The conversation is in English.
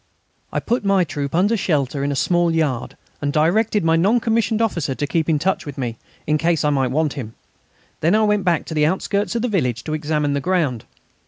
I put my troop under shelter in a small yard, and directed my non commissioned officer to keep in touch with me, in case I might want him. Then I went back to the outskirts of the village to examine the ground.